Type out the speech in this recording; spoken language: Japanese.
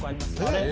あれ？